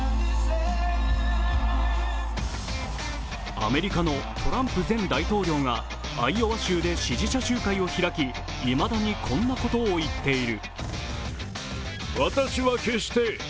アメリカのトランプ前大統領がアイオワ州で支持者集会を開きいまだにこんなことを言っている。